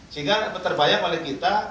sehingga terbayang oleh kita